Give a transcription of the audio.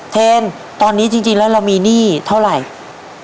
เทนตอนนี้จริงแล้วเรามีหนี้เท่าไหร่